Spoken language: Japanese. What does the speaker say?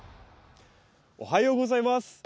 おはようございます。